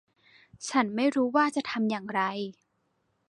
ฉันไม่รู้ว่าจะทำอย่างไร